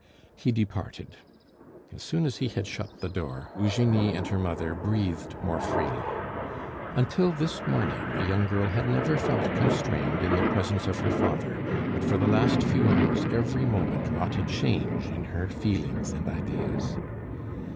He departed. As soon as he had shut the door Eugenie and her mother breathed more freely. Until this morning the young girl had never felt constrained in the presence of her father; but for the last few hours every moment wrought a change in her feelings and ideas.